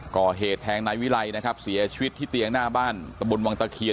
ก่อเหตุแทงนายวิไลนะครับเสียชีวิตที่เตียงหน้าบ้านตะบนวังตะเคียน